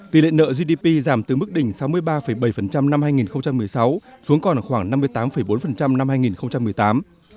tỷ lệ nợ gdp giảm từ mức đỉnh sáu mươi ba bảy năm hai nghìn một mươi sáu xuống còn khoảng năm mươi tám bốn năm hai nghìn một mươi tám